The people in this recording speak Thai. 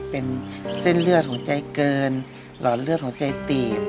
เป็นเส้นเลือดหัวใจเกินหลอดเลือดหัวใจตีบ